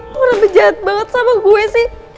lo bener bener jahat banget sama gue sih